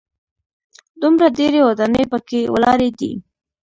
دومره ډېرې ودانۍ په کې ولاړې دي.